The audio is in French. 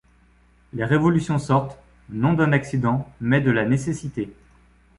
Les révolutions sortent, non d’un accident, mais de la nécessité.